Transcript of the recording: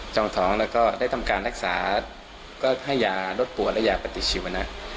เจ้าของท้องแล้วก็ได้ทำการรักษาก็ให้ยาลดปวดและยาปฏิชีวนะ